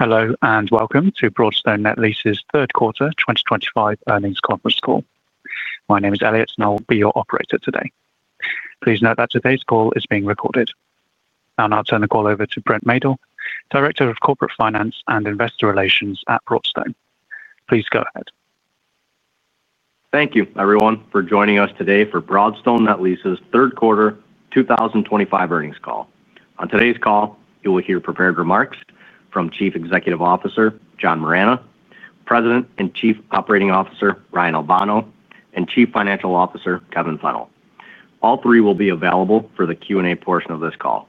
Hello and welcome to Broadstone Net Lease's third quarter 2025 earnings conference call. My name is Elliot and I will be your operator today. Please note that today's call is being recorded. I'll now turn the call over to Brent Maedl, Director of Corporate F`inance and Investor Relations at Broadstone. Please go ahead. Thank you everyone for joining us today for Broadstone Net Lease's third quarter 2025 earnings call. On today's call, you will hear prepared remarks from Chief Executive Officer John Moragne, President and Chief Operating Officer Ryan Albano, and Chief Financial Officer Kevin Fennell. All three will be available for the Q&A portion of this call.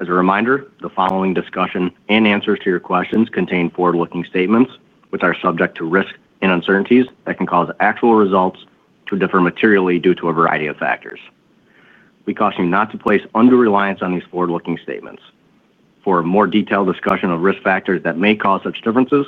As a reminder, the following discussion and answers to your questions contain forward-looking statements which are subject to risks and uncertainties that can cause actual results to differ materially due to a variety of factors. We caution you not to place undue reliance on these forward-looking statements. For a more detailed discussion of risk factors that may cause such differences,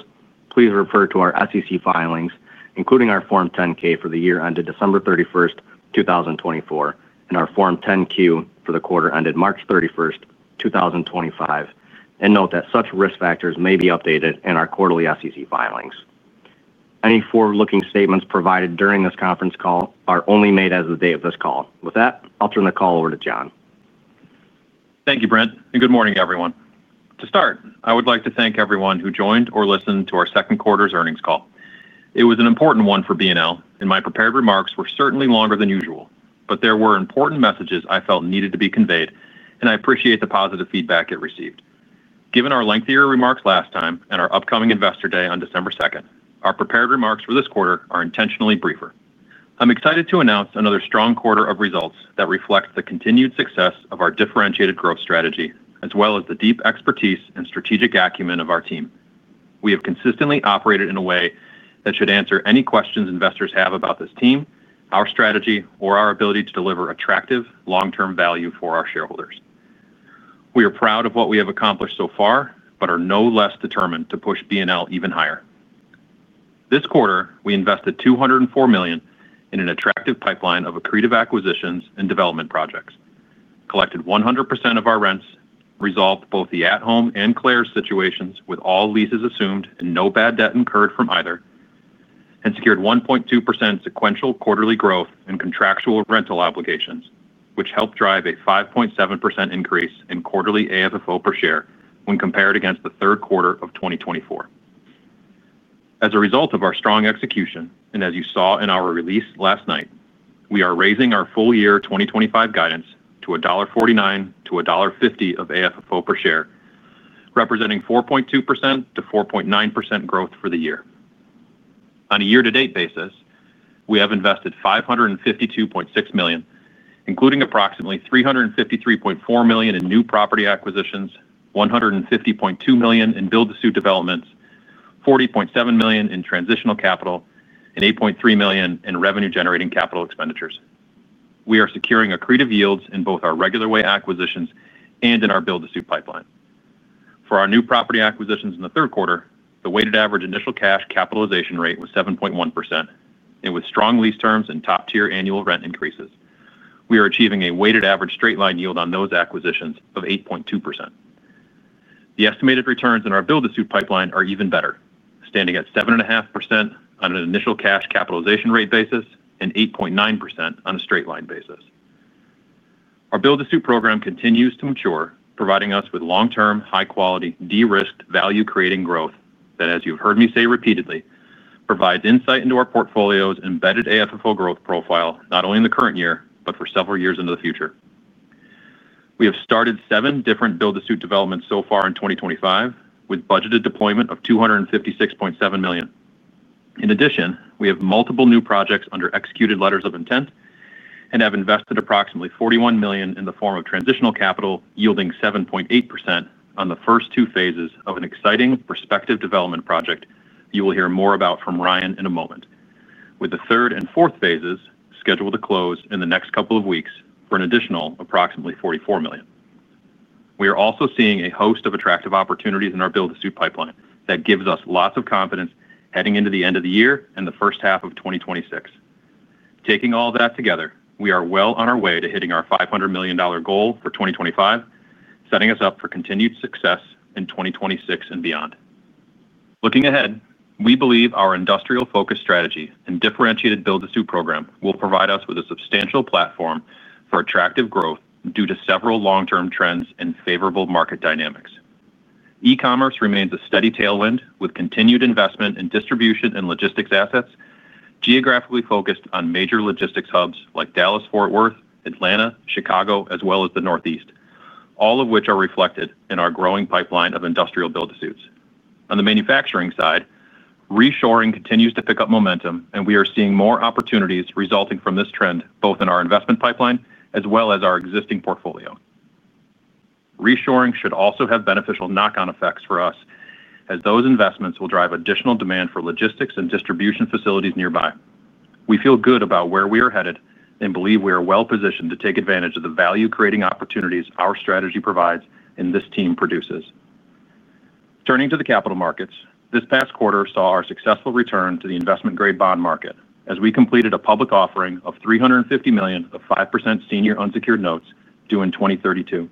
please refer to our SEC filings, including our Form 10-K for the year ended December 31, 2024, and our Form 10-Q for the quarter ended March 31, 2025. Note that such risk factors may be updated in our quarterly SEC filings. Any forward-looking statements provided during this conference call are only made as of the day of this call. With that, I'll turn the call over to John. Thank you, Brent, and good morning, everyone. To start, I would like to thank everyone who joined or listened to our second quarter earnings call. It was an important one for BNL, and my prepared remarks were certainly longer than usual. There were important messages I felt needed to be conveyed, and I appreciate the positive feedback it received. Given our lengthier remarks last time and our upcoming Investor Day on December 2, our prepared remarks for this quarter are intentionally briefer. I'm excited to announce another strong quarter of results that reflect the continued success of our differentiated growth strategy as well as the deep expertise and strategic acumen of our team. We have consistently operated in a way that should answer any questions investors have about this team, our strategy, or our. Ability to deliver attractive long-term value for our shareholders. We are proud of what we have accomplished so far, but are no less determined to push BNL even higher this quarter. We invested $204 million in an attractive pipeline of accretive acquisitions and development projects, collected 100% of our rents, resolved both the At Home and Claire’s situations with all leases assumed and no bad debt incurred from either, and secured 1.2% sequential quarterly growth in contractual rental obligations, which helped drive a 5.7% increase in quarterly AFFO per share when compared against the third quarter of 2024. As a result of our strong execution and as you saw in our release last night, we are raising our full-year 2025 guidance to $1.49-$1.50 of AFFO per share, representing 4.2%-4.9% growth for the year. On a year-to-date basis, we have invested $552.6 million, including approximately $353.4 million in new property acquisitions, $150.2 million in build-to-suit developments, $40.7 million in transitional capital, and $8.3 million in revenue-generating capital expenditures. We are securing accretive yields in both our regular way acquisitions and in our build-to-suit pipeline for our new property acquisitions. In the third quarter, the weighted average initial cash cap rate was 7.1%, and with strong lease terms and top-tier annual rent increases, we are achieving a weighted average straight-line yield on those acquisitions of 8.2%. The estimated returns in our build-to-suit pipeline are even better, standing at 7.5% on an initial cash cap rate basis and 8.9% on a straight-line basis. Our build-to-suit program continues to mature, providing us with long-term, high-quality, de-risked, value-creating growth that, as you've heard me say repeatedly, provides insight into our portfolio's embedded AFFO growth profile not only in the current year but for several years into the future. We have started seven different build-to-suit developments so far in 2025 with budgeted deployment of $256.7 million. In addition, we have multiple new projects under executed letters of intent and have invested approximately $41 million in the form of transitional capital yielding 7.8% on the first two phases of an exciting prospective development project you will hear more about from Ryan in a moment. With the third and fourth phases scheduled to close in the next couple of weeks for an additional approximately $44 million, we are also seeing a host of attractive opportunities in our build-to-suit pipeline that gives us lots of confidence heading into the end of the year and the first half of 2026. Taking all that together, we are well on our way to hitting our $500 million goal for 2025, setting us up for continued success in 2026 and beyond. Looking ahead, we believe our industrial-focused strategy and differentiated build-to-suit program will provide us with a substantial platform for attractive growth due to several long-term trends and favorable market dynamics. E-commerce remains a steady tailwind with continued investment in distribution and logistics assets geographically focused on major logistics hubs like Dallas–Fort Worth, Atlanta, Chicago, as well as the Northeast, all of which are reflected in our growing pipeline of industrial build-to-suits. On the manufacturing side, reshoring continues to pick up momentum and we are seeing more opportunities resulting from this trend both in our investment pipeline as well as our existing portfolio. Reshoring should also have beneficial knock-on effects for us as those investments will drive additional demand for logistics and distribution facilities nearby. We feel good about where we are headed and believe we are well positioned to take advantage of the value creating opportunities our strategy provides and this team. Turning to the capital markets, this past quarter saw our successful return to the investment grade bond market as we completed a public offering of $350 million of 5% senior unsecured notes due 2032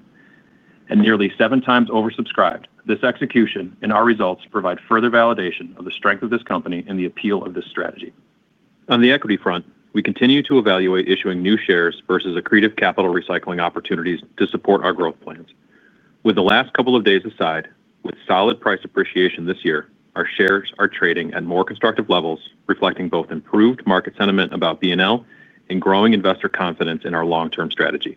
and nearly 7x oversubscribed. This execution and our results provide further validation of the strength of this company the appeal of this strategy on the equity front, we continue to evaluate issuing new shares versus accretive capital recycling opportunities to support our growth plans. With the last couple of days aside, with solid price appreciation this year, our shares are trading at more constructive levels. Reflecting both improved market sentiment about BNL and growing investor confidence in our long term strategy,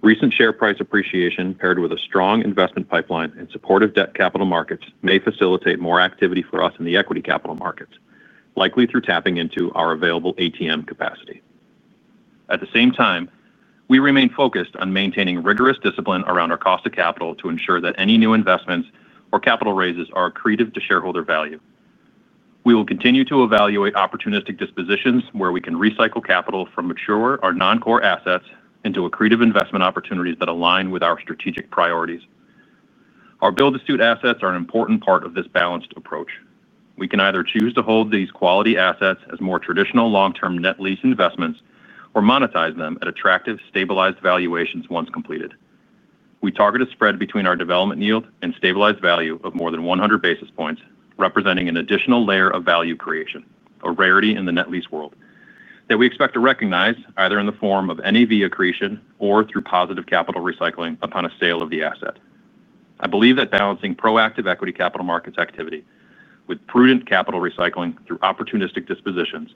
recent share price appreciation paired with a strong investment pipeline and supportive debt capital Markets may facilitate more activity for us in the equity capital markets, likely through tapping into our available ATM program capacity. At the same time, we remain focused on maintaining rigorous discipline around our cost of capital to ensure that any new investments or capital raises are accretive to shareholder value. We will continue to evaluate opportunistic dispositions where we can recycle capital from mature or non-core assets into accretive investment opportunities that align with our strategic priorities. Our build-to-suit assets are an important part of this balanced approach. We can either choose to hold these quality assets as more traditional long-term net lease investments or monetize them at attractive stabilized valuations. Once completed, we target a spread between our development yield and stabilized value of more than 100 basis points, representing an additional layer of value creation, a rarity in the net lease world that we expect to recognize either in the form of NAV accretion or through positive capital recycling upon a sale of the asset. I believe that balancing proactive equity capital markets activity with prudent capital recycling through opportunistic dispositions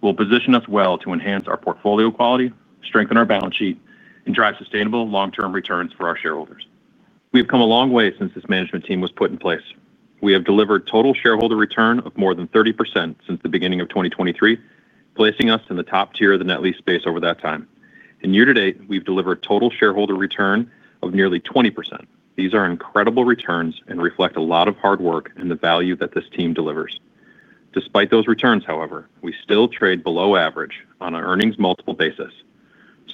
will position us well to enhance our portfolio quality, strengthen our balance sheet, and drive sustainable long-term returns for our shareholders. We have come a long way since this management team was put in place. We have delivered total shareholder return of more than 30% since the beginning of 2023, placing us in the top tier of the net lease space. Over that time and year-to-date we've delivered total shareholder return of nearly 20%. These are incredible returns and reflect a lot of hard work and the value. That this team delivers. Despite those returns, however, we still trade below average on an earnings multiple basis.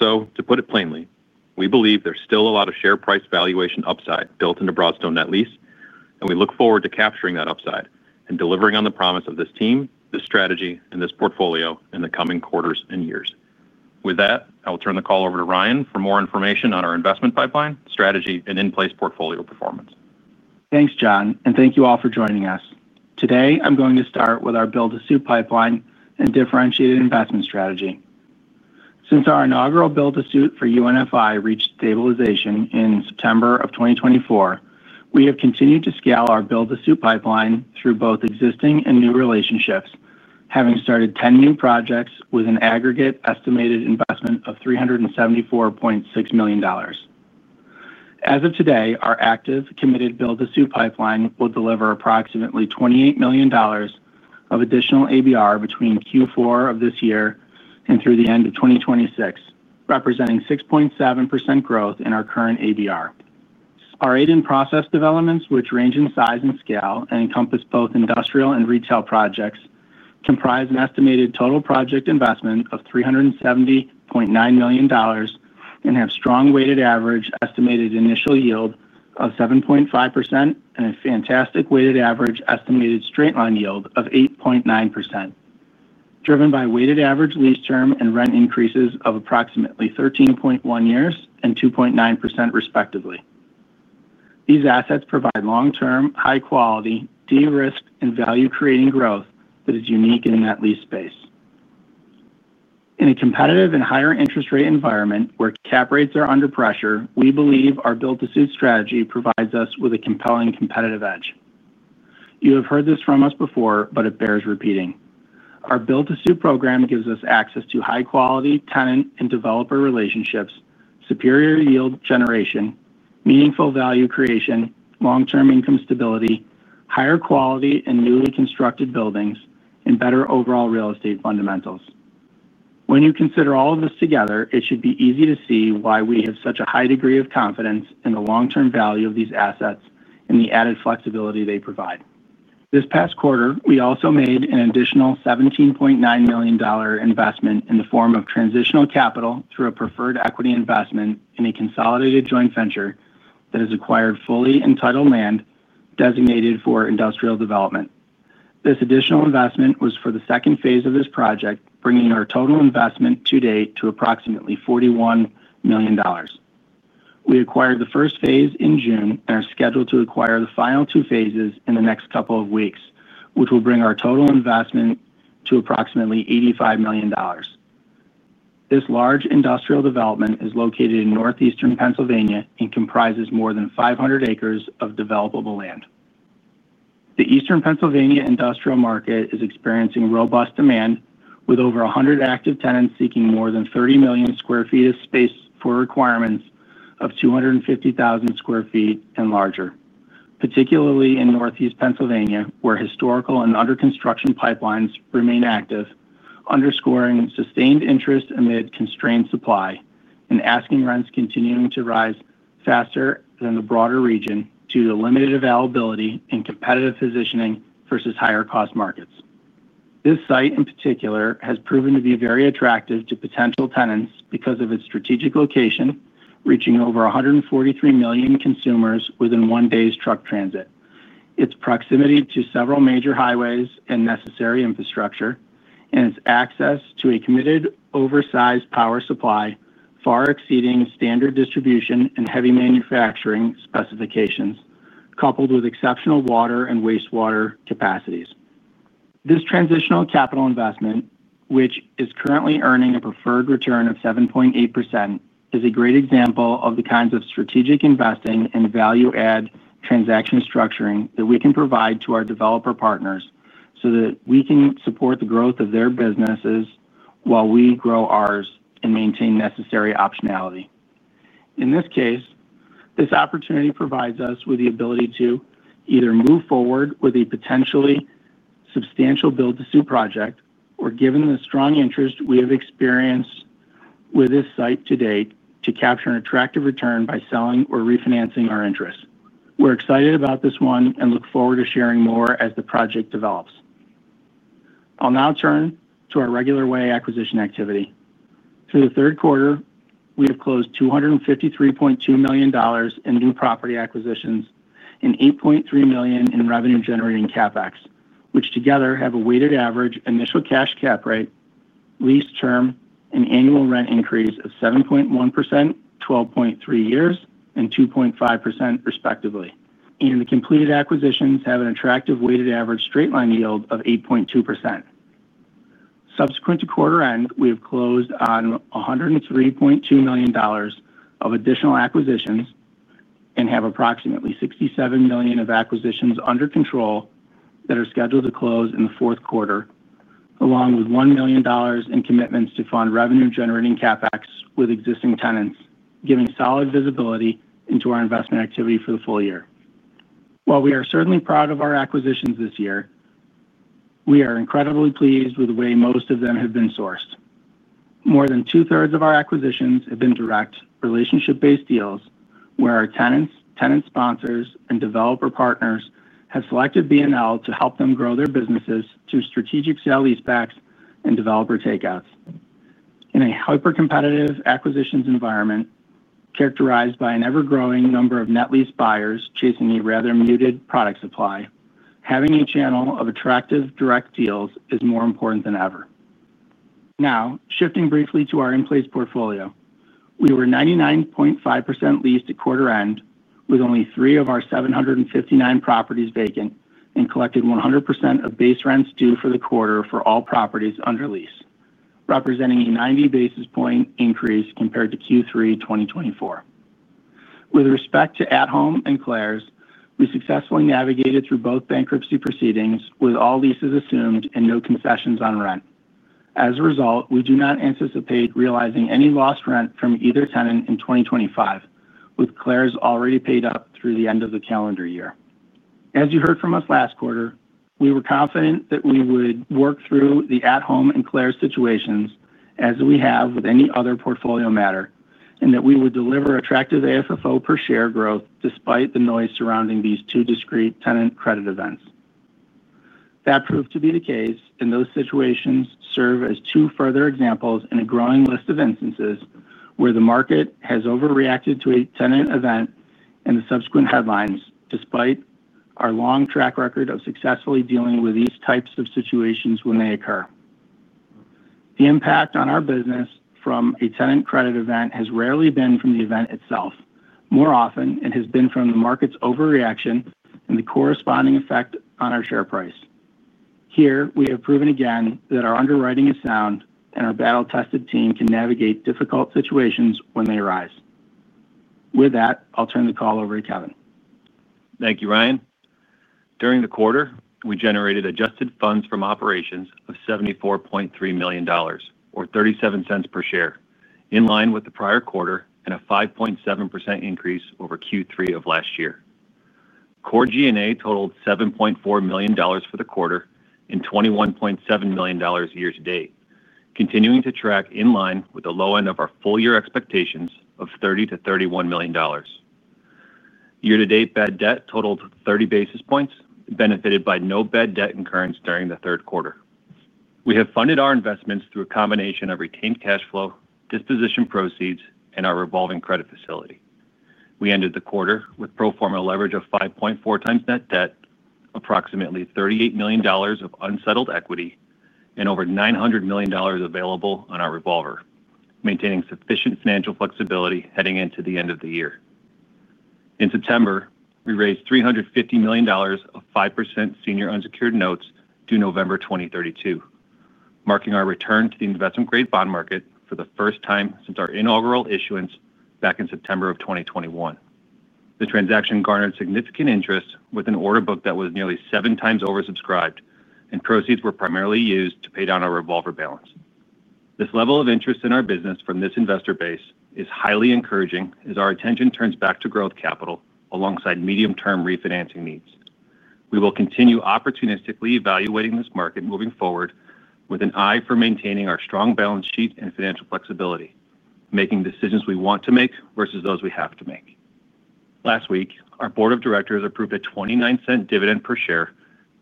To put it plainly, we believe there's still a lot of share price valuation upside built into Broadstone Net Lease, and we look forward to capturing that upside and delivering on the promise of this team, this strategy, and this portfolio in the coming quarters and years. With that, I will turn the call over to Ryan for more information on our investment pipeline strategy and in place portfolio performance. Thanks John and thank you all for joining us today. I'm going to start with our build-to-suit pipeline and differentiated investment strategy. Since our inaugural build-to-suit for UNFI reached stabilization in September of 2024, we have continued to scale our build-to-suit pipeline through both existing and new relationships, having started 10 new projects with an aggregate estimated investment of $374.6 million as of today. Our active, committed build-to-suit pipeline will deliver approximately $28 million of additional ABR between Q4 of this year and through the end of 2026, representing 6.7% growth in our current ABR. Our eight in-process developments, which range in size and scale and encompass both industrial and retail projects, comprise an estimated total project investment of $370.9 million and have strong weighted average estimated initial yield of 7.5% and a fantastic weighted average estimated straight-line yield of 8.9% driven by weighted average lease term and rent increases of approximately 13.1 years and 2.9% respectively. These assets provide long-term high-quality de-risked and value-creating growth that is unique in that lease space. In a competitive and higher interest rate environment where cap rates are under pressure, we believe our build-to-suit strategy provides us with a compelling competitive edge. You have heard this from us before, but it bears repeating. Our build-to-suit program gives us access to high-quality tenant and developer relationships, superior yield generation, meaningful value creation, long-term income stability, higher quality and newly constructed buildings, and better overall real estate fundamentals. When you consider all of this together, it should be easy to see why we have such a high degree of confidence in the long-term value of these assets and the added flexibility they provide. This past quarter we also made an additional $17.9 million investment in the form of transitional capital through a preferred equity investment in a consolidated joint venture that has acquired fully entitled land designated for industrial development. This additional investment was for the second phase of this project, bringing our total investment to date to approximately $41 million. We acquired the first phase in June and are scheduled to acquire the final two phases in the next couple of weeks, which will bring our total investment to approximately $85 million. This large industrial development is located in Northeastern Pennsylvania and comprises more than 500 acres of developable land. The Eastern Pennsylvania industrial market is experiencing robust demand, with over 100 active tenants seeking more than 30 million sq ft of space for requirements of 250,000 sq ft and larger, particularly in Northeast Pennsylvania where historical and under construction pipelines remain active, underscoring sustained interest amid constrained supply and asking rents continuing to rise faster than the broader region due to limited availability and competitive positioning versus higher cost markets. This site in particular has proven to be very attractive to potential tenants because of its strategic location reaching over 143 million consumers within one day's truck transit, its proximity to several major highways and necessary infrastructure, and its access to a committed oversized power supply far exceeding standard distribution and heavy manufacturing specifications, coupled with exceptional water and wastewater capacities. This transitional capital investment, which is currently earning a preferred return of 7.8%, is a great example of the kinds of strategic investing and value add transaction structuring that we can provide to our developer partners so that we can support the growth of their businesses while we grow ours and maintain necessary optionality. In this case, this opportunity provides us with the ability to either move forward with a potentially substantial build-to-suit project, or, given the strong interest we have experienced with this site to date, to capture an attractive return by selling or refinancing our interests. We're excited about this one and look forward to sharing more as the project develops. I'll now turn to our regular way acquisition activity. Through the third quarter, we have closed $253.2 million in new property acquisitions and $8.3 million in revenue generating CapEx, which together have a weighted average initial cash cap rate, lease term, and annual rent increase of 7.1%, 12.3 years, and 2.5% respectively, and the completed acquisitions have an attractive weighted average straight line yield of 8.2%. Subsequent to quarter end, we have closed on $103.2 million of additional acquisitions and have approximately $67 million of acquisitions under control that are scheduled to close in the fourth quarter along with $1 million in commitments to fund revenue-generating CapEx with existing tenants, giving solid visibility into our investment activity for the full year. While we are certainly proud of our acquisitions this year, we are incredibly pleased with the way most of them have been sourced. More than 2/3 of our acquisitions have been direct relationship-based deals where our tenants, tenant sponsors, and developer partners have selected BNL to help them grow their businesses through strategic sale leasebacks and developer takeouts. In a hyper-competitive acquisitions environment characterized by an ever-growing number of net lease buyers chasing a rather muted product supply, having a channel of attractive direct deals is more important than ever. Now shifting briefly to our in-place portfolio, we were 99.5% leased at quarter end with only 3 of our 759 properties vacant and collected 100% of base rents due for the quarter for all properties under lease, representing a 90 basis point increase compared to Q3 2024. With respect to At Home and Claire's, we successfully navigated through both bankruptcy proceedings with all leases assumed and no concessions on rent. As a result, we do not anticipate realizing any lost rent from either tenant in 2025 with Claire's already paid up through the end of the calendar year. As you heard from us last quarter, we were confident that we would work through the At Home and Claire's situations as we have with any other portfolio matter, and that we would deliver attractive AFFO per share growth despite the noise surrounding these two discrete tenant credit events. That proved to be the case and those situations serve as two further examples in a growing list of instances where the market has overreacted to a tenant event and the subsequent headlines. Despite our long track record of successfully dealing with these types of situations when they occur, the impact on our business from a tenant credit event has rarely been from the event itself. More often it has been from the market's overreaction and the corresponding effect on our share price. Here we have proven again that our underwriting is sound and our battle-tested team can navigate difficult situations when they arise. With that, I'll turn the call over to Kevin. Thank you, Ryan. During the quarter, we generated adjusted funds from operations of $74.3 million, or $0.37 per share, in line with the prior quarter and a 5.7% increase over Q3 of last year. Core G&A totaled $7.4 million for the quarter and $21.7 million year-to-date, continuing to track in line with the low end of our full year expectations of $30 to $31 million year-to-date. Bad debt totaled 30 basis points, benefited by no bad debt incurrence during the third quarter. We have funded our investments through a combination of retained cash flow, disposition proceeds, and our revolving credit facility. We ended the quarter with pro forma leverage of 5.4x net debt, approximately $38 million of unsettled equity, and over $900 million available on our revolver, maintaining sufficient financial flexibility heading into the end of the year. In September, we raised $350 million of 5% senior unsecured notes due November 2032, marking our return to the investment grade bond market for the first time since our inaugural issuance back in September of 2021. The transaction garnered significant interest with an order book that was nearly seven times oversubscribed, and proceeds were primarily used to pay down our revolver balance. This level of interest in our business from this investor base is highly encouraging as our attention turns back to growth capital alongside medium term refinancing needs. We will continue opportunistically evaluating this market moving forward with an eye for maintaining our strong balance sheet and financial flexibility, making decisions we want to make requirements versus those we have to make. Last week, our Board of Directors approved a $0.29 dividend per share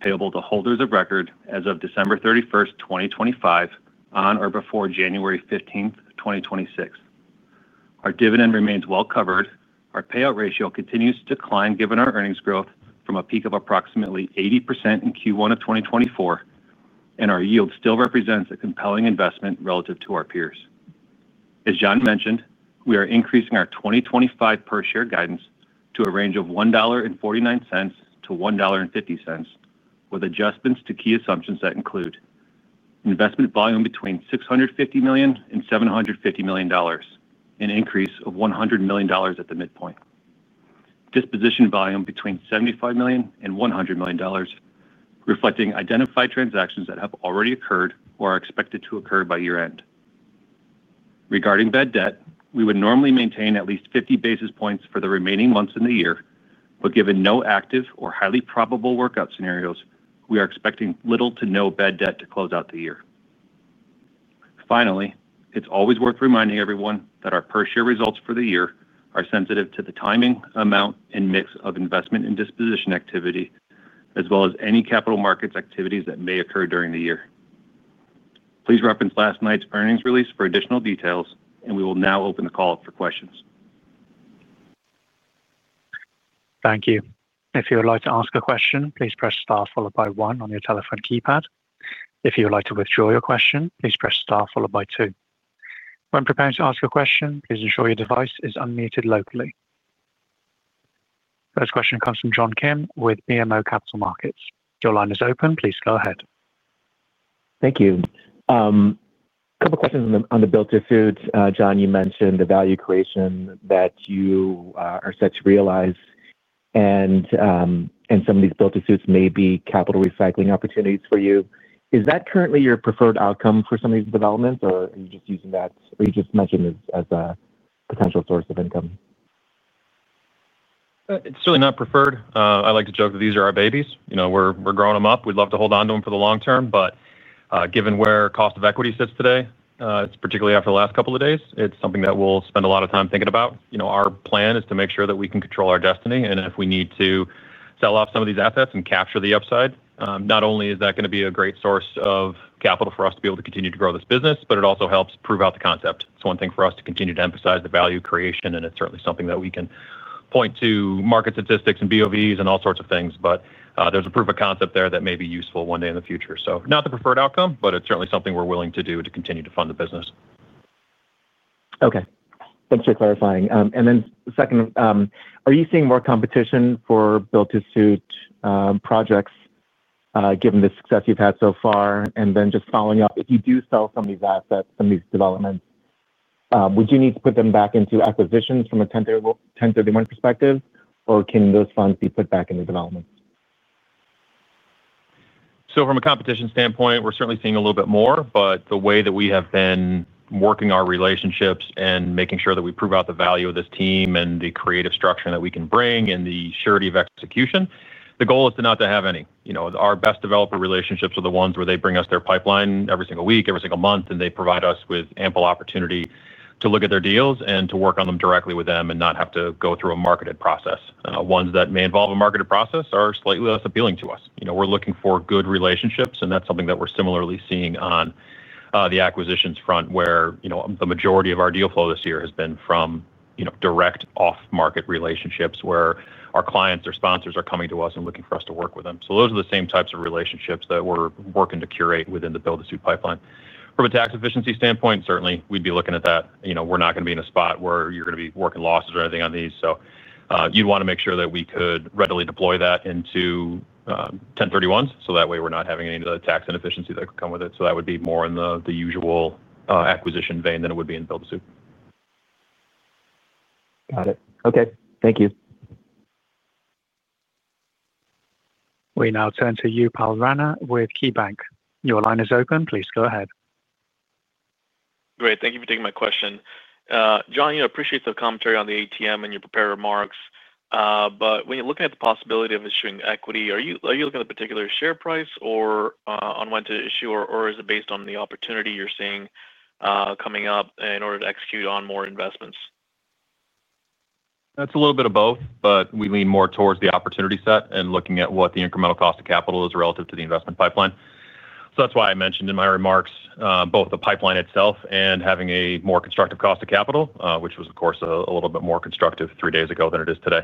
payable to holders of record as of December 31, 2025, on or before January 15, 2026. Our dividend remains well covered. Our payout ratio continues to decline given our earnings growth from a peak of approximately 80% in Q1 of 2024, and our yield still represents a compelling investment relative to our peers. As John mentioned, we are increasing our 2025 per share guidance to a range of $1.49-$1.50 with adjustments to key assumptions that include investment volume between $650 million and $750 million, an increase of $100 million at the midpoint, disposition volume between $75 million and $100 million reflecting identified transactions that have already occurred or are expected to occur by year end. Regarding bad debt, we would normally maintain at least 50 basis points for the remaining months in the year, but given no active or highly probable workout scenarios, we are expecting little to no bad debt to close out the year. Finally, it's always worth reminding everyone that our per share results for the year are sensitive to the timing, amount, and mix of investment and disposition activity, as well as any capital markets activities that may occur during the year. Please reference last night's earnings release for additional details, and we will now open the call up for questions. Thank you. If you would like to ask a question, please press star followed by one on your telephone keypad. If you would like to withdraw your question, please press star followed by two. When preparing to ask a question, please ensure your device is unmuted locally. First question comes from John Kim with BMO Capital Markets. Your line is open. Please go ahead. Thank you. Couple questions on the build-to-suit. John, you mentioned the value creation that you are set to realize, and some of these build-to-suits may be capital recycling opportunities for you. Is that currently your preferred outcome for some of these developments, or are you just using that, or you just mentioned as a potential source of income? It's certainly not preferred. I like to joke that these are our babies. You know, we're growing them up. We'd love to hold onto them for the long term, but given where cost of equity sits today, particularly after the last couple of days, it's something that we'll spend a lot of time thinking about. Our plan is to make sure that we can control our destiny, and if we need to sell off some of these assets and capture the upside, not only is that going to be a great source of capital for us to be able to continue to grow this business, but it also helps prove out the concept. It's one thing for us to continue to emphasize the value creation, and it's certainly something that we can point to market statistics and BOVs and all sorts of things, but there's a proof of concept there that may be useful one day in the future. Not the preferred outcome, but it's certainly something we're willing to do to continue to fund the business. Okay, thanks for clarifying. Are you seeing more competition for build-to-suit projects given the success you've had so far? If you do sell some of these assets, some of these developments, would you need to put them back into acquisitions from a 1031 perspective, or can those funds be put back into development? From a competition standpoint, we're certainly seeing a little bit more. The way that we have been working our relationships and making sure that we prove out the value of this team and the creative structure that we can bring and the surety of execution, the goal is to not have any, you know, our best developer relationships are the ones where they bring us their pipeline every single week, every single month, and they provide us with ample opportunity to look at their deals and to work on them directly with them and not have to go through a marketed process. Ones that may involve a marketed process are slightly less appealing to us. We're looking for good relationships and that's something that we're similarly seeing on the acquisitions front, where the majority of our deal flow this year has been from direct off-market relationships where our clients or sponsors are coming to us and looking for us to work with them. Those are the same types of relationships that we're working to curate within the build-to-suit pipeline. From a tax efficiency standpoint, certainly we'd be looking at that. We're not going to be in a spot where you're going to be working losses or anything on these. You'd want to make sure that we could readily deploy that into 1031. That way we're not having any of the tax inefficiency that could come with it. That would be more in the usual acquisition vein than it would be in build-to-suit. Got it. Okay, thank you. We now turn to Upal Rana with KeyBanc. Your line is open. Please go ahead. Great. Thank you for taking my question, John. I appreciate the commentary on the ATM in your prepared remarks, but when you're looking at the possibility of issuing equity, are you looking at the particular share? Price or on when to issue. Is it based on the opportunity you're seeing coming up in order to execute on more investments? That's a little bit of both but we lean more towards the opportunity set and looking at what the incremental cost of capital is relative to the investment pipeline. That is why I mentioned in my remarks both the pipeline itself and having a more constructive cost of capital, which was of course a little bit more constructive 3 days ago than it is today.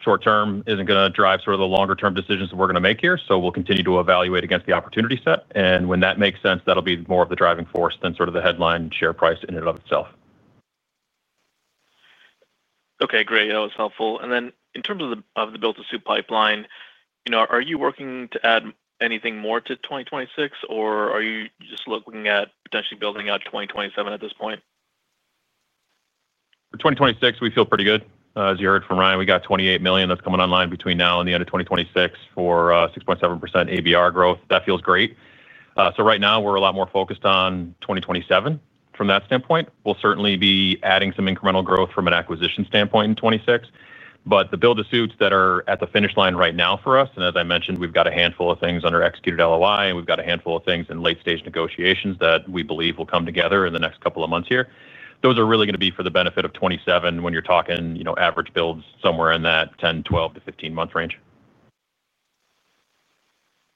Short term is not going to drive sort of the longer term decisions that we're going to make here. We will continue to evaluate against the opportunity set and when that makes sense, that will be more of the driving force than sort of the headline share price in and of itself. Okay, great, that was helpful. In terms of the build-to-suit pipeline, you know, are you working to add anything more to 2026, or are you just looking at potentially building out 2027 at this point? For 2026, we feel pretty good. As you heard from Ryan, we got $28 million that's coming online between now and the end of 2026 for 6.7% ABR growth. That feels great. Right now we're a lot more focused on 2027. From that standpoint, we'll certainly be adding some incremental growth from an acquisition standpoint in 2026, but the build-to-suit developments that are at the finish line right now for us. As I mentioned, we've got a handful of things under executed LOI and we've got a handful of things in late-stage negotiations that we believe will come together in the next couple of months here. Those are really going to be for the benefit of 2027 when you're talking, you know, average builds somewhere in that 10 to 12 to 15 month range.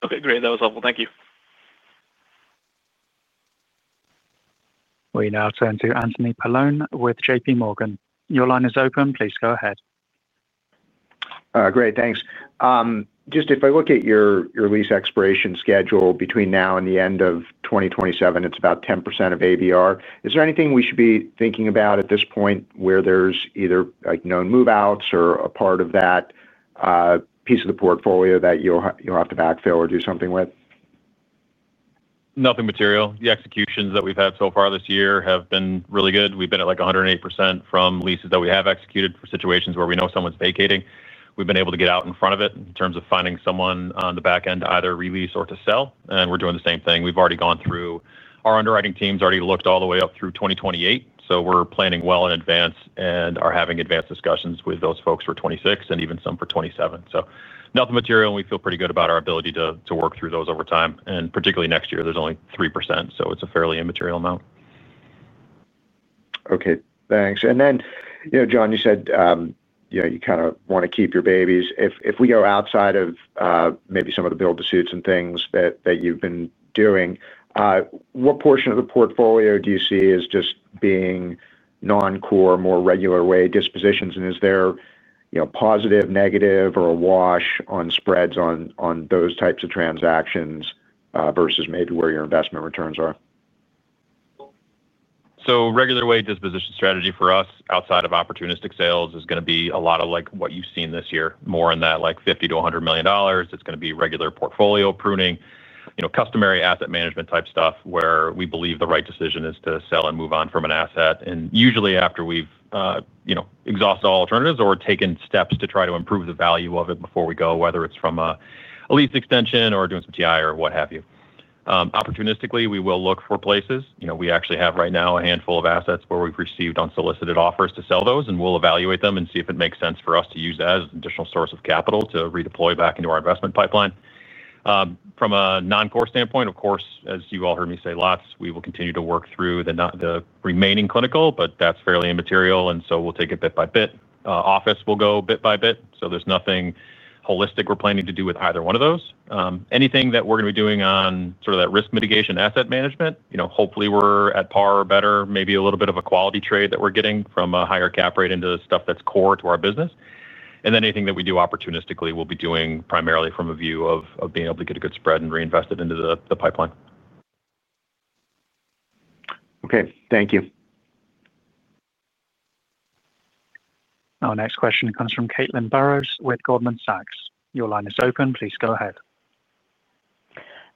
Okay, great, that was helpful. Thank you. We now turn to Anthony Paolone with JPMorgan. Your line is open. Please go ahead. Great, thanks. If I look at your lease expiration schedule between now and the end of 2027, it's about 10% of ABR. Is there anything we should be thinking about at this point where there's either known move outs or a part of that piece of the portfolio that you'll have to backfill or do something with? Nothing material. The executions that we've had so far this year have been really good. We've been at like 108% from leases that we have executed for situations where we know someone's vacating. We've been able to get out in front of it in terms of finding someone on the back end to either release or to sell. We're doing the same thing. We've already gone through our underwriting teams, already looked all the way up through 2028. We're planning well in advance and are having advanced discussions with those folks for 2026 and even some for 2027. Nothing material and we feel pretty good about our ability to work through those over time and particularly next year. There's only 3%, so it's a fairly immaterial amount. Okay, thanks. John, you said you kind of want to keep your babies. If we go outside of maybe some of the build-to-suit developments and things that you've been doing, what portion of the portfolio do you see as just being non-core, more regular way dispositions? Is there positive, negative, or a wash on spreads on those types of transactions versus maybe where your investment returns are? Regular way disposition strategy for us outside of opportunistic sales is going to be a lot of like what you've seen this year, more in that $50 million-$100 million. It's going to be regular portfolio pruning, customary asset management type stuff where we believe the right decision is to sell and move on from an asset. Usually after we've exhausted all alternatives or taken steps to try to improve the value of it before we go, whether it's from a lease extension or doing some TI or what have you. Opportunistically, we will look for places. We actually have right now a handful of assets where we've received unsolicited offers to sell those, and we'll evaluate them and see if it makes sense for us to use as additional source of capital to redeploy back into our investment pipeline. From a non-core standpoint, of course, as you all heard me say lots, we will continue to work through the remaining clinical, but that's fairly immaterial, and we'll take it bit by bit. Office will go bit by bit. There's nothing holistic we're planning to do with either one of those. Anything that we're going to be doing on sort of that risk mitigation, asset management, hopefully we're at par or better, maybe a little bit of a quality trade that we're getting from a higher cap rate into stuff that's core to our business. Anything that we do opportunistically, we'll be doing primarily from a view of being able to get a good spread and reinvest it into the pipeline. Okay, thank you. Our next question comes from Caitlin Burrows with Goldman Sachs. Your line is open. Please go ahead.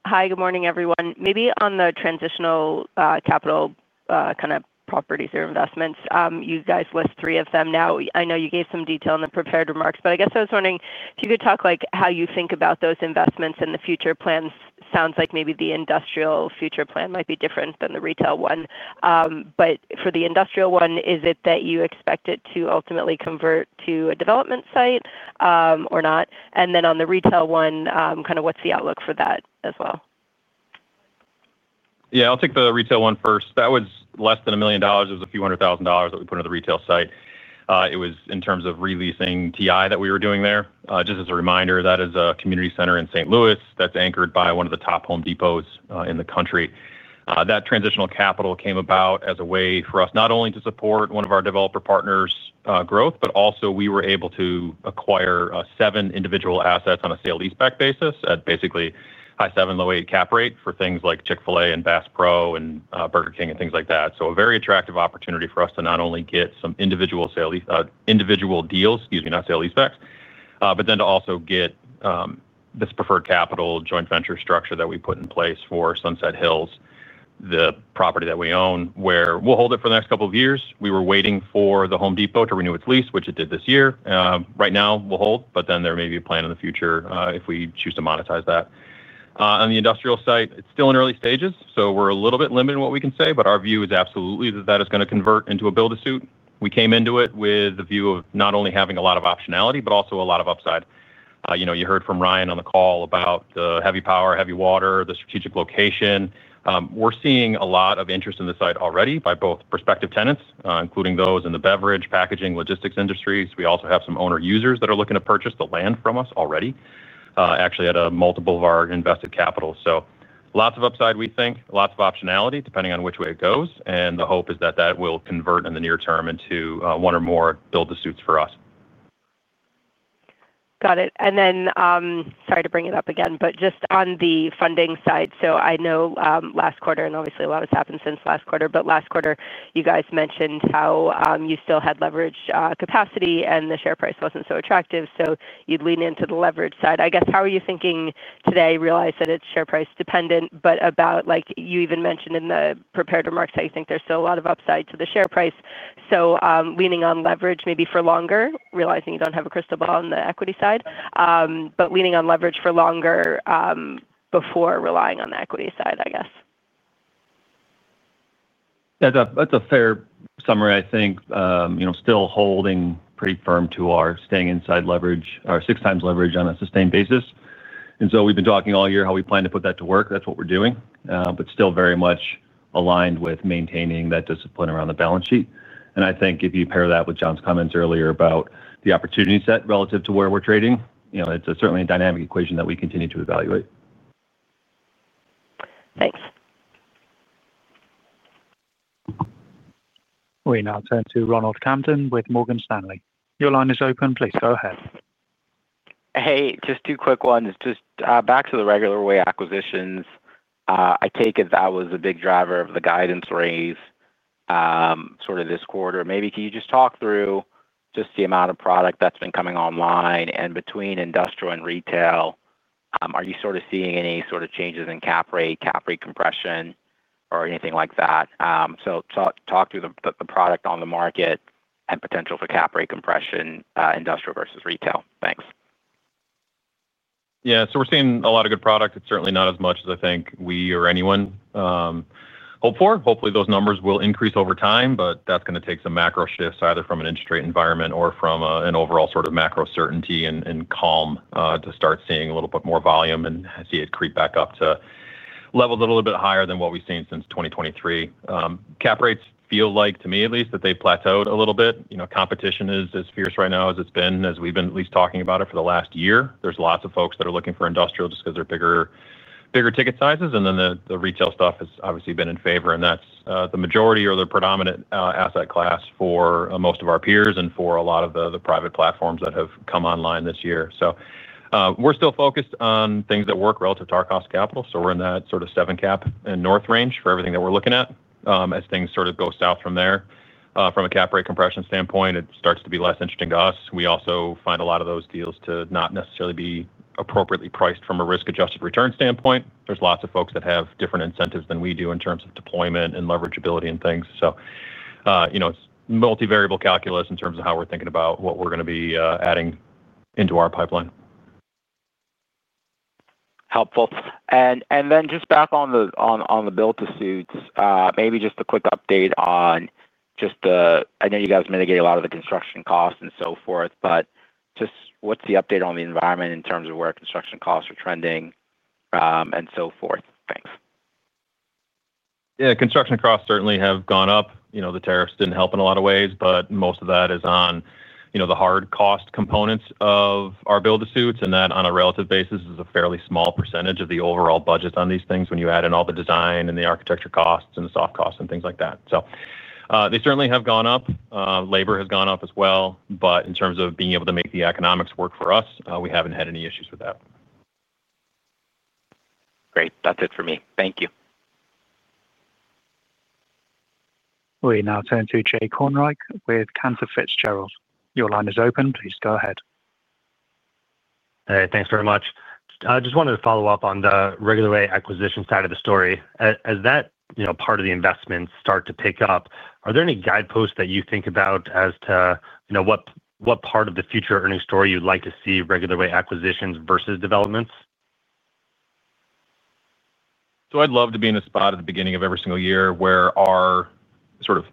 Hi, good morning everyone. Maybe on the transitional capital kind of properties or investments, you guys list three of them. I know you gave some detail in the prepared remarks, but I guess I was wondering if you could talk like how you think about those investments and the future plans. Sounds like maybe the industrial future plan might be different than the retail one. For the industrial one, is it that you expect it to ultimately convert to a development site or not? On the retail one, what's the outlook for that as well? Yeah, I'll take the retail one first. That was less than $1 million. It was a few hundred thousand dollars that we put on the retail site. It was in terms of releasing TI that we were doing there. Just as a reminder, that is a community center in St. Louis that's anchored by one of the top Home Depots in the country. That transitional capital came about as a way for us not only to support one of our developer partners' growth, but also we were able to acquire 7 individual assets on a sale leaseback basis at basically high 7%, low 8% cap rate for things like Chick-fil-A and Bass Pro and Burger King and things like that. A very attractive opportunity for us to not only get some individual sale, individual deals using, but then to also get this preferred capital joint venture structure that we put in place for Sunset Hills, the property that we own, where we'll hold it for the next couple of years. We were waiting for the Home Depot to renew its lease, which it did this year. Right now we'll hold, but there may be a plan in the future if we choose to monetize that. On the industrial site, it's still in early stages, so we're a little bit limited in what we can say, but our view is absolutely that that is going to convert into a build-to-suit. We came into it with the view of not only having a lot of optionality, but also a lot of upside. You heard from Ryan on the call about heavy power, heavy water, the strategic location. We're seeing a lot of interest in the site already by both prospective tenants, including those in the beverage packaging logistics industries. We also have some owner users that are looking to purchase the land from us already actually at a multiple of our invested capital. Lots of upside, we think, lots of optionality, depending on which way it goes. The hope is that that will convert in the near term into one or more build-to-suits for us. Got it. Sorry to bring it up again, but just on the funding side. I know last quarter, and obviously a lot has happened since last quarter, but last quarter you guys mentioned how you still had leverage capacity and the share price wasn't so attractive, so you'd lean into the leverage side, I guess. How are you thinking today? Realize that it's share price dependent. You even mentioned in the prepared remarks that you think there's still a lot of upside to the share price. Leaning on leverage maybe for longer, realizing you don't have a crystal ball on the equity side, but leaning on leverage for longer before relying on the equity side, I guess. That's a fair summary, I think. Still holding pretty firm to our staying inside leverage or six times leverage on a sustained basis. We have been talking all year how we plan to put that to work. That is what we are doing. are still very much aligned with maintaining that discipline around the balance sheet. I think if you pair that with John's comments earlier about the opportunity set relative to where we're trading, it's certainly a dynamic equation that we continue to evaluate. Thanks. We now turn to Ronald Kamdem with Morgan Stanley. Your line is open. Please go ahead. Hey, just two quick ones, just back to the regular way acquisitions, I take it that was a big driver of the guidance raise this quarter. Maybe can you just talk through the amount of product that's been coming online and between industrial and retail? Are you seeing any changes in cap rate, cap rate compression or anything like that? Talk to the product on the market and potential for cap rate compression, industrial versus retail. Thanks. Yeah, so we're seeing a lot of good product. It's certainly not as much as I think we or anyone hope for. Hopefully those numbers will increase over time, but that's going to take some macro shifts either from an interest rate environment or from an overall sort of macro certainty and calm to start seeing a little bit more volume and see it creep back up to levels a little bit higher than what we've seen since 2023. Cap rates feel like to me at least that they plateaued a little bit. Competition is as fierce right now as it's been as we've been at least talking about it for the last year. There are lots of folks that are looking just because they're bigger, bigger ticket sizes, and then the retail stuff has obviously been in favor and that's the majority or the predominant asset class for most of our peers and for a lot of the private platforms that have come online this year. We're still focused on things that work relative to our cost of capital. We are in that sort of seven cap and north range for everything that we're looking at as things sort of go south from there. From a cap rate compression standpoint, it starts to be less interesting to us. We also find a lot of those deals to not necessarily be appropriately priced from a risk-adjusted return standpoint. There are lots of folks that have different incentives than we do in terms of deployment and leverage ability and things. It's multivariable calculus in terms of how we're thinking about what we're going to be adding into our pipeline. Helpful just back on the build-to-suit developments, maybe just a quick update on the. I know you guys mitigate a lot of the construction costs and so forth, but what's the update on the environment in terms of where construction costs are trending and so forth? Thanks. Yeah, construction costs certainly have gone up. The tariffs didn't help in a lot of ways, but most of that is on the hard cost components of our build-to-suit developments. That, on a relative basis, is a fairly small percentage of the overall budget on these things when you add in all the design and the architecture costs and soft costs and things like that. They certainly have gone up. Labor has gone up as well. In terms of being able to make the economics work for us, we haven't had any issues with that. Great. That's it for me. Thank you. We now turn to Jay Kornreich with Cantor Fitzgerald. Your line is open. Please go ahead. Thanks very much. I just wanted to follow up on the regular way acquisition side of the story as that part of the investments start to pick up. Are there any guideposts that you think about as to what part of the future earnings story you'd like to see? Regular way acquisitions versus developments. I would love to be in a spot at the beginning of every single year where our sort of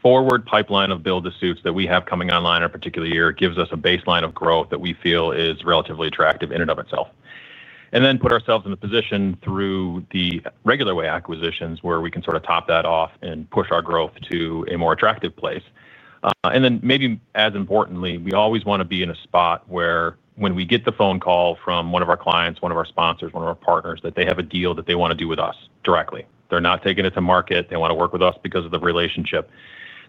forward pipeline of build-to-suit developments that we have coming online in a particular year gives us a baseline of growth that we feel is relatively attractive in and of itself. We put ourselves in the position through the regular way acquisitions where we can sort of top that off and push our growth to a more attractive place. Maybe as importantly, we always want to be in a spot where when we get the phone call from one of our clients, one of our sponsors, one of our partners, that they have a deal that they want to do with us directly, they're not taking it to market. They want to work with us because of the relationship,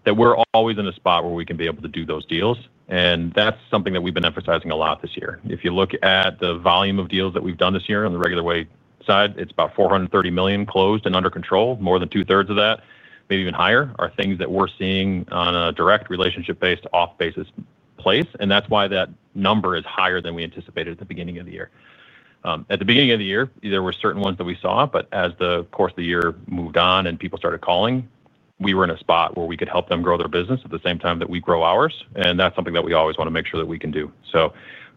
that we're always in a spot where we can be able to do those deals. That's something that we've been emphasizing a lot this year. If you look at the volume of deals that we've done this year on the regular way side, it's about $430 million closed and under control. More than 67% of that, maybe even higher, are things that we're seeing on a direct relationship basis. That's why that number is higher than we anticipated at the beginning of the year. At the beginning of the year there were certain ones that we saw, but as the course of the year moved on and people started calling, we were in a spot where we could help them grow their business at the same time that we grow ours. That's something that we always want to make sure that we can do.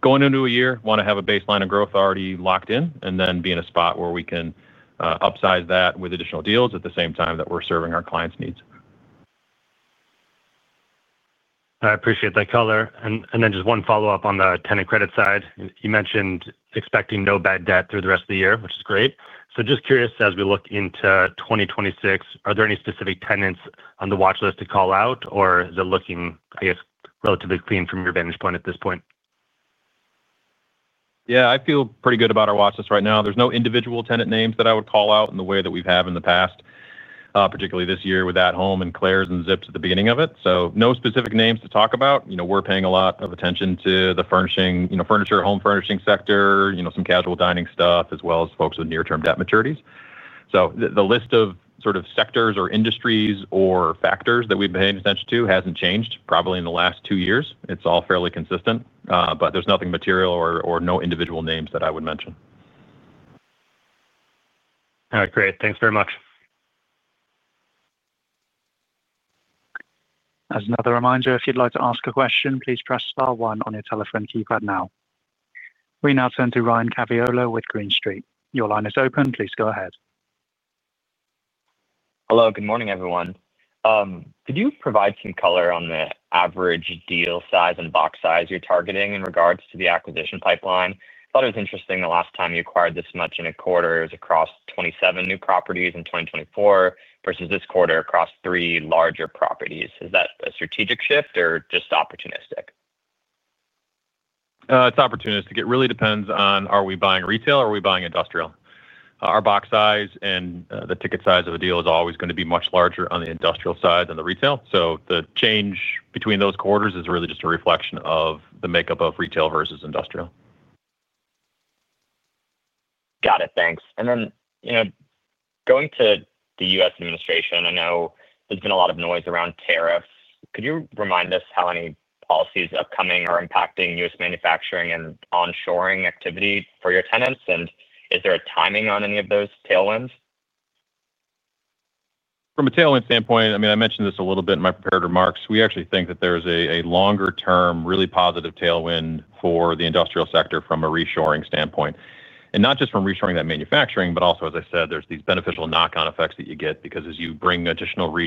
Going into a year, we want to have a baseline of growth already locked in and then be in a spot where we can upsize that with additional deals at the same time that we're serving our clients' needs. I appreciate that color. Just one follow-up on the tenant credit side. You mentioned expecting no bad debt through the rest of the year, which is great. Just curious, as we look into 2026, are there any specific tenants on the watch list to call out, or is it looking, I guess, relatively clean from your vantage point at this point? Yeah, I feel pretty good about our watch list right now. There's no individual tenant names that I would call out in the way that we have in the past, particularly this year with At Home and Claire's and Zips at the beginning of it. No specific names to talk about. We're paying a lot of attention to the furniture, home furnishing sector, some casual dining stuff, as well as folks with near term debt maturities. The list of sectors or industries or factors that we pay attention to hasn't changed probably in the last two years. It's all fairly consistent, but there's nothing material or no individual names that I would mention. All right, great. Thanks very much. As another reminder, if you'd like to ask a question, please press star one on your telephone keypad now. We now turn to Ryan Caviola with Green Street. Your line is open. Please go ahead. Hello, good morning, everyone. Could you provide some color on the average deal size and box size you're targeting in regards to the acquisition pipeline? I thought it was interesting. The last time you acquired this much in a quarter is across 27 new properties in 2024 versus this quarter across three larger properties. Is that a strategic shift or just opportunistic? It's opportunistic. It really depends on are we buying retail or are we buying industrial. Our box size and the ticket size of a deal is always going to be much larger on the industrial side than the retail. The change between those quarters is really just a reflection of the makeup of retail versus industrial. Got it, thanks. Going to the U.S. Administration, I know there's been a lot of noise around tariffs. Could you remind us how any policies upcoming are impacting U.S. manufacturing and onshoring activity for your tenants? Is there a timing on any of those tailwinds? From a tailwind standpoint, I mentioned this a little bit in my prepared remarks. We actually think that there is a longer-term, really positive tailwind for the industrial sector from a reshoring standpoint and not just from reshoring that manufacturing, but also, as I said, there are these beneficial knock-on effects that you get because as you bring additional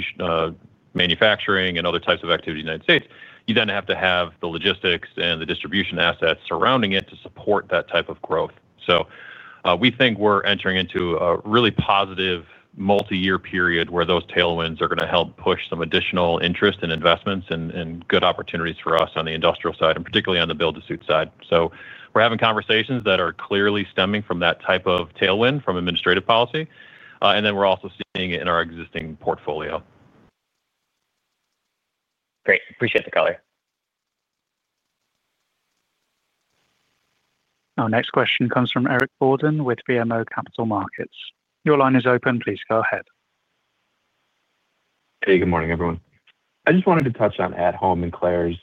manufacturing and other types of activity to the United States, you then have to have the logistics and the distribution assets surrounding it to support that type of growth. We think we're entering into a really positive multi-year period where those tailwinds are going to help push some additional interest and investments and good opportunities for us on the industrial side, particularly on the build-to-suit side. We're having conversations that are clearly stemming from that type of tailwind from administrative policy, and we're also seeing it in our existing portfolio. Great. Appreciate the color. Our next question comes from Eric Borden with BMO Capital Markets. Your line is open. Please go ahead. Hey, good morning everyone. I just wanted to touch on At Home and Claire's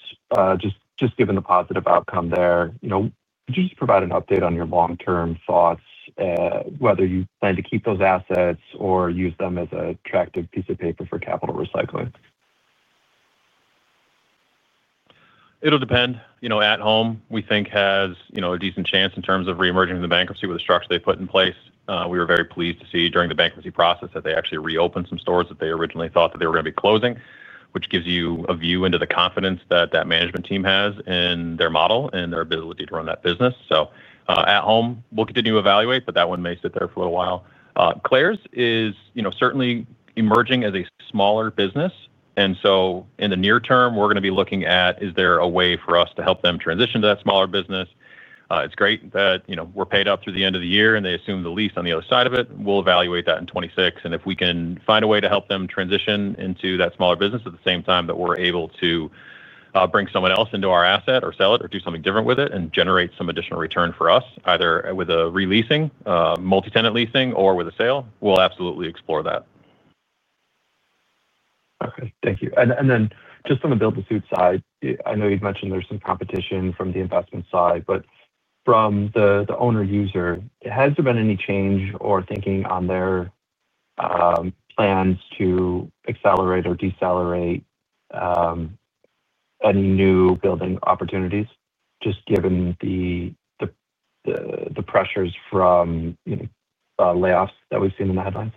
given the positive outcome there, you know, just provide an update on your long term thoughts. Whether you plan to keep those assets or use them as an attractive piece of paper for capital recycling. It'll depend. At Home, we think, has a decent chance in terms of reemerging from bankruptcy with the structure they put in place. We were very pleased to see during the bankruptcy process that they actually reopened some stores that they originally thought they were going to be closing, which gives you a view into the confidence that management team has in their model and their ability to run that business. At Home, we'll continue to evaluate, but that one may sit there for a little while. Claire's is certainly emerging as a smaller business. In the near term, we're going to be looking at whether there is a way for us to help them transition to that smaller business. It's great that we're paid up through the end of the year and they assumed the lease on the.ther side of it. will evaluate that in 2026, and if we can find a way to help them transition into that smaller business at the same time that we are able to bring someone else into our asset or sell it or do something different with it and generate some additional return for us, either with a re-leasing, multi-tenant leasing, or with a sale, we will absolutely explore that. Okay, thank you. Just on the build-to-suit side, I know you've mentioned there's some competition from the investment side, but from the owner-user, has there been any change or thinking on their end to accelerate or decelerate any new building opportunities just given the pressures from layoffs that we've seen in the headlines.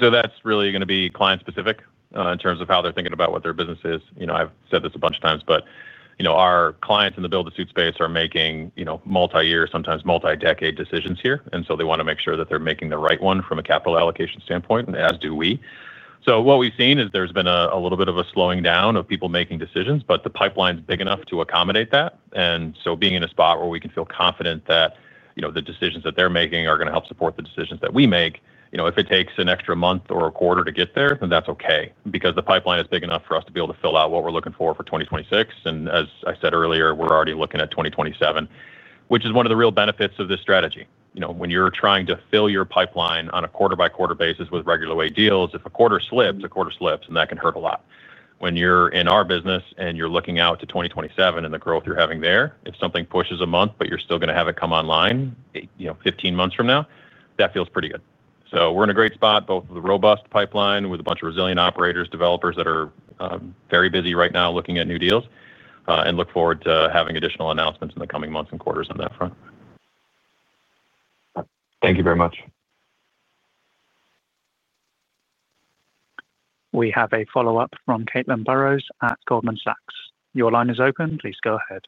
That is really going to be client specific in terms of how they're thinking about what their business is. I've said this a bunch of times, but our clients in the build-to-suit space are making multi-year, sometimes multi-decade decisions here. They want to make sure that they're making the right one from a capital allocation standpoint, and as do we. What we've seen is there's been a little bit of a slowing down of people making decisions, but the pipeline is big enough to accommodate that. Being in a spot where we can feel confident that the decisions that they're making are going to help support the decisions that we make is important. If it takes an extra month or a quarter to get there, that's okay because the pipeline is big enough for us to be able to fill out what we're looking for for 2026. As I said earlier, we're already looking at 2027, which is one of the real benefits of this strategy. When you're trying to fill your pipeline on a quarter-by-quarter basis with regular way deals, if a quarter slips, a quarter slips, and that can hurt a lot. When you're in our business and you're looking out to 2027 and the growth you're having there, if something pushes a month but you're still going to have it come online 15 months from now, that feels pretty good. We're in a great spot both with a robust pipeline, with a bunch of resilient operators, developers that are very busy right now looking at new deals, and look forward to having additional announcements in the coming months and quarters on that front. Thank you very much. We have a follow-up from Caitlin Burrows at Goldman Sachs. Your line is open. Please go ahead.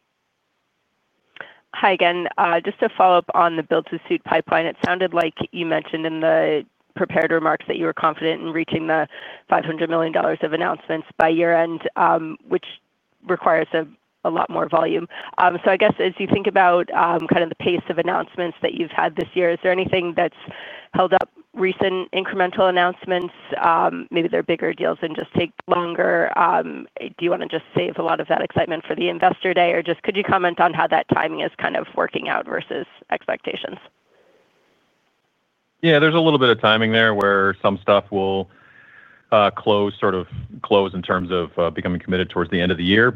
Hi again, just a follow-up on the build-to-suit pipeline. It sounded like you mentioned in the prepared remarks that you were confident in reaching the $500 million of announcements by year end, which requires a lot more volume. As you think about the pace of announcements that you've had this year, is there anything that's held up recent incremental announcements? Maybe they're bigger deals and just take longer. Do you want to just save a lot of that excitement for the investor day, or could you comment on how that timing is working out versus expectations? Yeah, there's a little bit of timing there where some stuff will close, sort of close in terms of becoming committed towards the end of the year.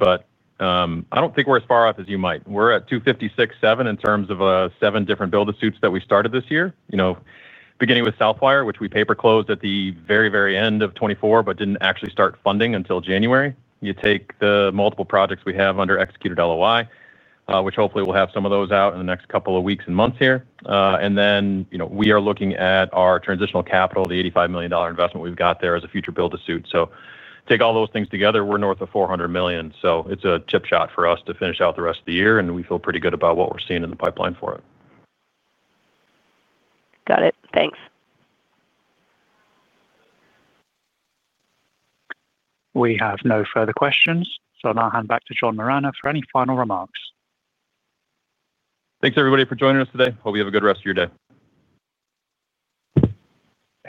I don't think we're as far off as you might. We're at $256.7 million in terms of seven different build-to-suit developments that we started this year, beginning with Southwire, which we paper closed at the very, very end of 2024 but didn't actually start funding until January. You take the multiple projects we have under executed LOI, which hopefully will have some of those out in the next couple of weeks and months here, and then we are looking at our transitional capital, the $85 million investment we've got there as a future build-to-suit. Take all those things together, we're north of $400 million, so it's a chip shot for us to finish out the rest of the year, and we feel pretty good about what we're seeing in the pipeline for it. Got it. Thanks. We have no further questions. I will now hand back to John Moragne for any final remarks. Thanks, everybody, for joining us today. Hope you have a good rest of your day.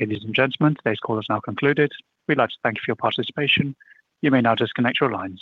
Ladies and gentlemen, today's call has now concluded. We'd like to thank you for your participation. You may now disconnect your lines.